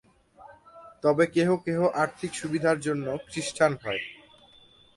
তবে কেহ কেহ আর্থিক সুবিধার জন্য খ্রীষ্টান হয়।